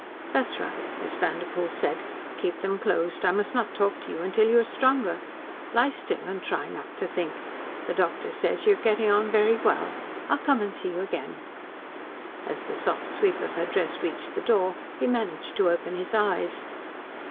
"That's right," Miss Vanderpoel said. "Keep them closed. I must not talk to you until you are stronger. Lie still and try not to think. The doctor says you are getting on very well. I will come and see you again." As the soft sweep of her dress reached the door he managed to open his eyes.